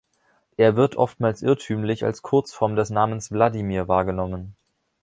Er wird oftmals irrtümlich als Kurzform des Namens Wladimir wahrgenommen.